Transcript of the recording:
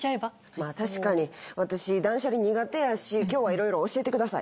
まあ確かに私断捨離苦手やし今日は色々教えてください。